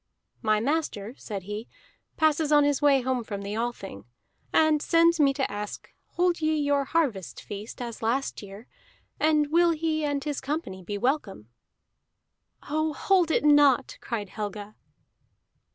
"My master," said he, "passes on his way home from the Althing, and sends me to ask: hold ye your harvest feast as last year, and will he and his company be welcome?" "Oh, hold it not!" cried Helga.